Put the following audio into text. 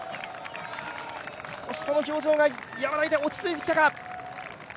少し、その表情がやわらいで、落ち着いてきたか。